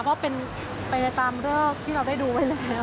เพราะเป็นตามเลิกที่เราได้ดูไปแล้ว